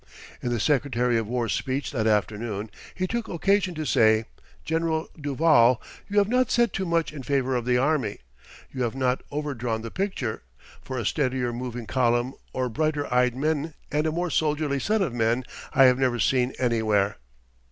In the Secretary of War's speech that afternoon he took occasion to say, "General Duvall, you have not said too much in favour of the Army. You have not overdrawn the picture, for a steadier moving column or brighter eyed men and a more soldierly set of men I have never seen anywhere."